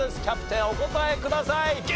キャプテンお答えください。